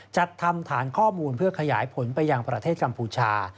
จัดทำฐานข้อมูลเพื่อขยายผลไปยังประเทศกัมพูชา